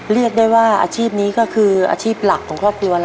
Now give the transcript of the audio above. เรียกได้ว่าอาชีพนี้ก็คืออาชีพหลักของครอบครัวเรา